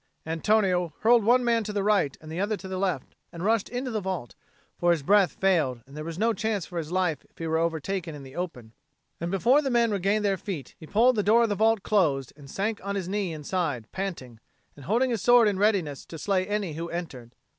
Antonio hurled one man to the right and the other to the left, and rushed into the vault; for his breath failed, and there was no chance for his life were he overtaken in the open; and before the men regained their feet, he pulled the door of the vault close and sank on his knee inside, panting, and holding his sword in readiness to slay any who entered.